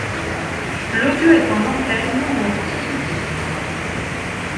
L'audio est en Anglais Mono sans sous-titres.